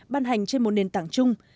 ban hành trên một nền tảng chung